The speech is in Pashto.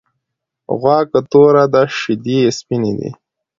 غوا که توره ده شيدې یی سپيني دی .